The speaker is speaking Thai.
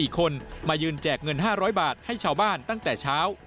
๔คนมายืนแจกเงิน๕๐๐บาทให้ชาวบ้านตั้งแต่เช้า